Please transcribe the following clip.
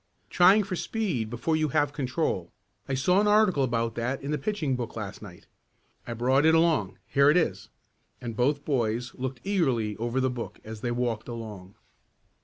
"Trying for speed before you have control. I saw an article about that in the pitching book last night. I brought it along. Here it is," and both boys looked eagerly over the book as they walked along.